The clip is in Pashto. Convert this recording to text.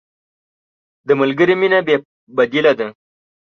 د ملګري مینه بې بدیله ده.